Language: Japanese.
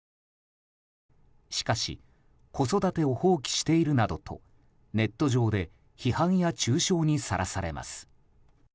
しかし、子育てを放棄しているなどとネット上で批判や中傷にさらされます。